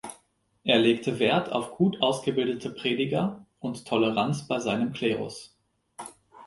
Er legte Wert auf gut ausgebildete Prediger und Toleranz bei seinem Klerus.